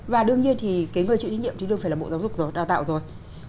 và đương nhiên thì cái người chịu thí nghiệm thì đương phải là bộ giáo dục rồi đào tạo rồi